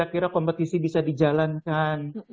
kapan kira kira kompetisi bisa dijalankan